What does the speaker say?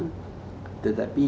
tetapi yang yang saya yakin